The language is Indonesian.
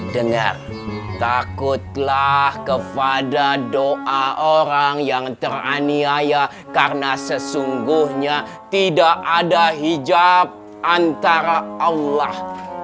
dengar takutlah kepada doa orang yang teraniaya karena sesungguhnya tidak ada hijab antara allah